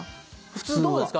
普通どうですか？